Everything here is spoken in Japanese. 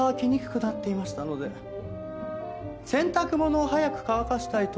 洗濯物を早く乾かしたい時は。